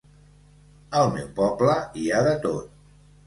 Al meu poble hi ha de tot.